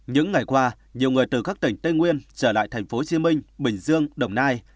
những ngày qua nhiều người từ các tỉnh tây nguyên trở lại tp hcm bình dương đồng nai